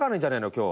今日。